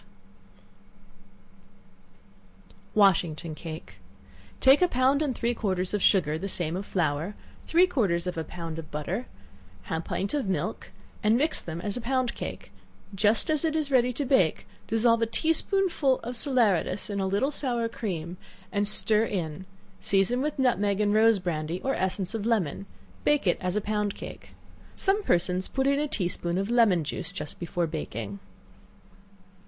Washington Cake. Take a pound and three quarters of sugar, the same of flour, three quarters of a pound of butter, eight eggs, a pint of milk, and mix them as a pound cake; just as it is ready to bake, dissolve a tea spoonful of salaeratus in a little sour cream, and stir in; season with nutmeg and rose brandy, or essence of lemon; bake it as pound cake. Some persons put in a tea spoonful of lemon juice just before baking.